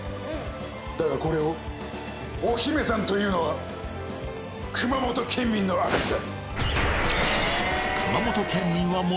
だがこれをお姫さんと言うのは熊本県民の証しだ！